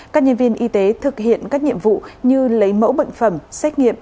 các nhân viên y tế thực hiện các nhiệm vụ như lấy mẫu bệnh phẩm xét nghiệm